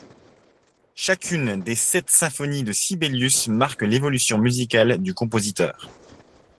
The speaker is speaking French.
Chacune des sept symphonies de Sibelius, marque l'évolution musicale du compositeur.